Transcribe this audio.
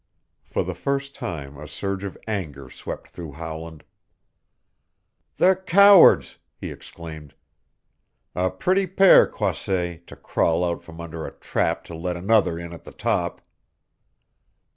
For the first time a surge of anger swept through Howland. "The cowards!" he exclaimed. "A pretty pair, Croisset to crawl out from under a trap to let another in at the top!"